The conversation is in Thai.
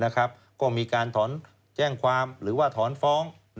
ก็มีการถอนแจ้งความหรือว่าถอนฟ้อง